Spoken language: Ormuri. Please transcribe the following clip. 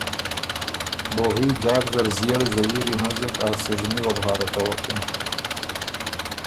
بوغي ځاک زر ݫئېړه زهیري هنزُک ا سُژمی وه بو هارتوکِن۔